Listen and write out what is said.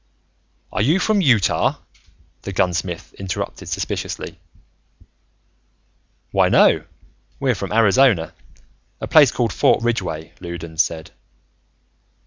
"Are you from Utah?" the gunsmith interrupted, suspiciously. "Why, no, we're from Arizona. A place called Fort Ridgeway," Loudons said.